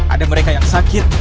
ada mereka yang sakit